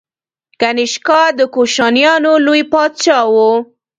کنیشکا د کوشانیانو لوی پاچا و.